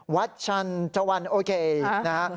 วัดจันตวันโอเคนะครับ